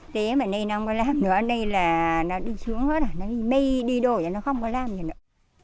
thế mà nay nó không có làm nữa đây là nó đi xuống hết rồi mây đi đổi rồi nó không có làm gì nữa